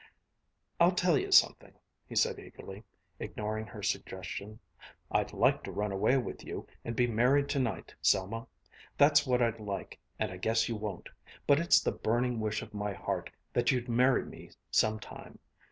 "I'll tell you something," he said, eagerly, ignoring her suggestion. "I'd like to run away with you and be married to night, Selma. That's what I'd like, and I guess you won't. But it's the burning wish of my heart that you'd marry me some time.